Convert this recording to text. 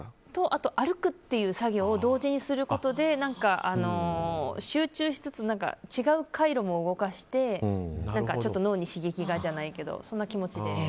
あと歩くという作業を同時にすることで集中しつつ違う回路も動かして脳に刺激がじゃないけどそんな気持ちで。